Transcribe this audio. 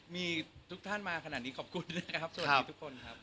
มีทุกท่านมาขนาดนี้ขอบคุณนะครับสวัสดีทุกคนครับ